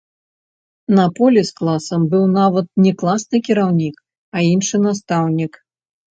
На поле з класам быў нават не класны кіраўнік, а іншы настаўнік.